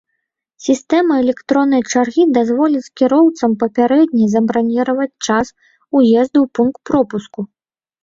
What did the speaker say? Сістэма электроннай чаргі дазволіць кіроўцам папярэдне забраніраваць час уезду ў пункт пропуску.